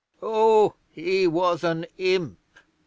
Oh, he was an imp!